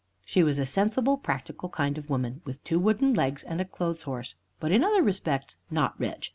She was a sensible, practical kind of woman, with two wooden legs and a clothes horse, but in other respects not rich.